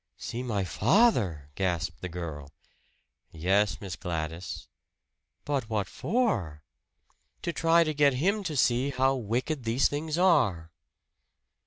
"See my father!" gasped the girl. "Yes, Miss Gladys." "But what for?" "To try to get him to see how wicked these things are."